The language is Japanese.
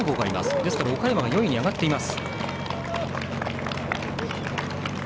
ですから岡山が４位に上がっています。